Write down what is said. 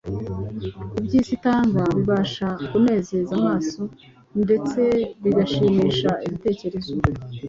Ibyo isi itanga bibasha kunezeza amaso ndetse bigashimisha ibitekerezo,